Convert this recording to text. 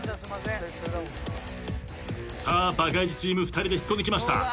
バカイジチーム２人で引っこ抜きました。